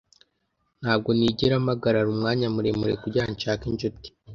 Ntabwo nigera mpagarara umwanya muremure kugirango nshake inshuti.